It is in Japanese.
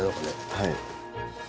はい。